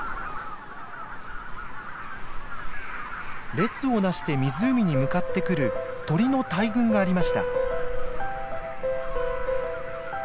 列をなして湖に向かってくる鳥の大群がありました。